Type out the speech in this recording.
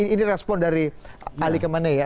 ini respon dari ali kemene ya